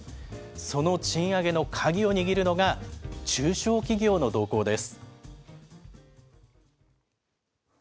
その賃上げの鍵を握るのが、中小企業の動向です。